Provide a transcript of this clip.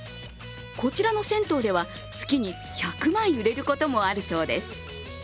こちらの銭湯では、月に１００枚売れることもあるそうです。